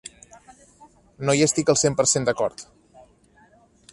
No hi estic el cent per cent d'acord.